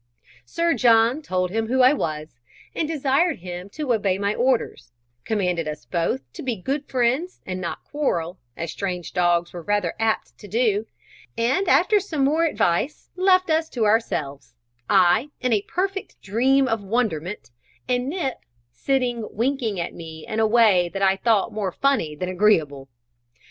Sir John told him who I was, and desired him to obey my orders; commanded us both to be good friends and not quarrel, as strange dogs were rather apt to do; and after some more advice left us to ourselves, I in a perfect dream of wonderment, and "Nip" sitting winking at me in a way that I thought more funny than agreeable.